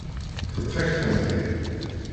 Teṭṭef-ak-tent-id.